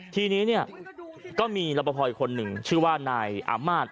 ทีนี้เนี่ยก็มีรับประพออีกคนหนึ่งชื่อว่านายอาม่าน